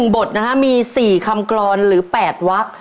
๑บทมี๔คำกรรณหรือ๘วัก